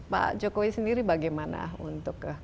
pak jokowi sendiri bagaimana untuk ke keputusan